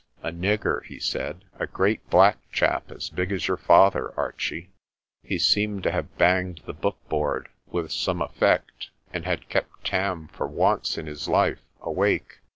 "A nigger," he said, "a great black chap as big as your father, Archie." He seemed to have banged the bookboard with some effect, and had kept Tarn, for once in his life, awake.